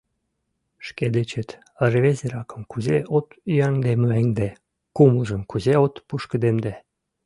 Шке дечет рвезыракым кузе от ӱяҥде-мӱяҥде, кумылжым кузе от пушкыдемде.